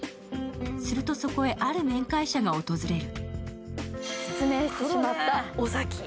すると、そこへある面会者が訪れる。